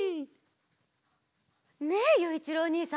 ねえゆういちろうおにいさん！